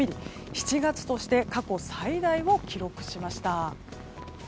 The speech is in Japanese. ７月として過去最大を記録しました。